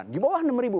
di bawah enam